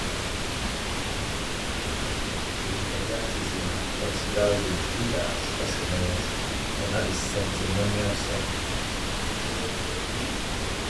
Lingayatism considers the Vedas as a means, but not the sanctimonious end.